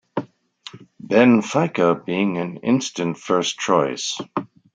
Benfica, being an instant first-choice.